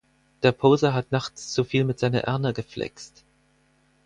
Der Poser hat nachts zu viel mit seiner Erna geflext.